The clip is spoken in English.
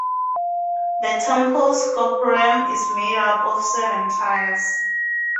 The temple's gopuram is made up of seven tiers.